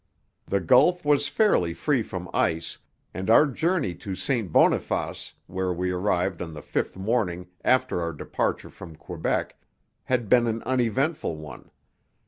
The gulf was fairly free from ice, and our journey to St. Boniface, where we arrived on the fifth morning after our departure from Quebec, had been an uneventful one.